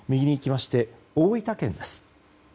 大分県です。